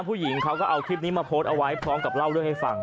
ผู้หญิงเขาก็เอาคลิปนี้มาโพสต์เอาไว้พร้อมกับเล่าเรื่องให้ฟัง